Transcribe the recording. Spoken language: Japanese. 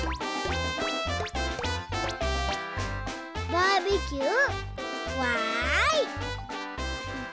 バーベキューわい！